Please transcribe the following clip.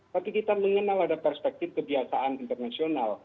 tapi kita mengenal ada perspektif kebiasaan internasional